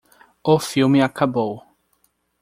O filme acabou